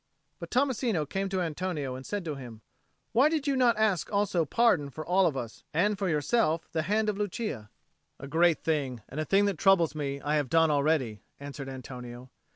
But Tommasino came to Antonio and said to him, "Why did you not ask also pardon for all of us, and for yourself the hand of Lucia?" "A great thing, and a thing that troubles me, I have done already," answered Antonio.